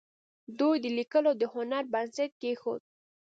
دوی د لیکلو د هنر بنسټ کېښود.